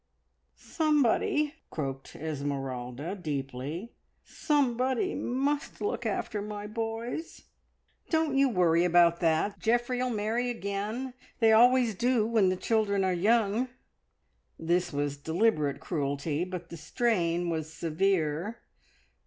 "Somebody," croaked Esmeralda deeply, "somebody must look after my boys!" "Don't you worry about that. Geoffrey'll marry again. They always do when the children are young." This was deliberate cruelty, but the strain was severe.